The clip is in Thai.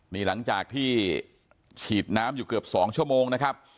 นี่หลังจากที่ฉีดน้ำอยู่เกือบ๒ชั่วโมงนะครับ